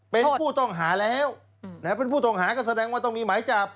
เป็นผู้ต้องหาแล้วเป็นผู้ต้องหาก็แสดงว่าต้องมีหมายจับ